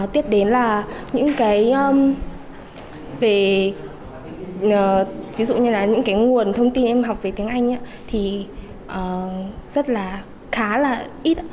tiếp đến là những cái về ví dụ như là những cái nguồn thông tin em học về tiếng anh thì rất là khá là ít